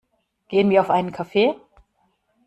Gehen wir auf einen Kaffee?